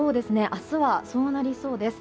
明日はそうなりそうです。